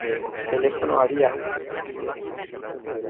Telefonoari adi.